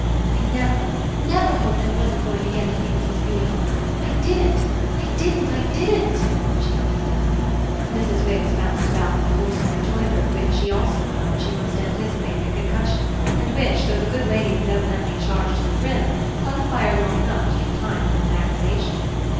"I never, NEVER hoped I wasn't going again to see Mrs. Beale! I didn't, I didn't, I didn't!" she repeated. Mrs. Wix bounced about with a force of rejoinder of which she also felt that she must anticipate the concussion and which, though the good lady was evidently charged to the brim, hung fire long enough to give time for an aggravation.